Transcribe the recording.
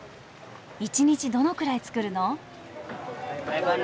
一日どのくらい作るの？